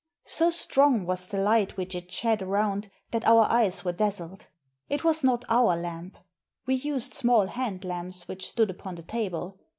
So strong was the light which it shed around that our eyes were dazzled. It was not our lamp; we used small hand lamps, which stood upon the table.